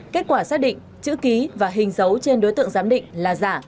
kết quả xác định chữ ký và hình dấu trên đối tượng giám định là giả